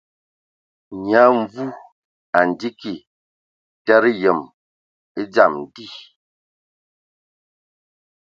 Nyia Mvu a ndzi kig tǝdǝ yǝm e dzam dí.